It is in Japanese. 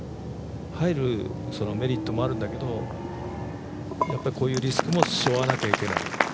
入るメリットもあるんだけど、こういうリスクも背負わなきゃいけない。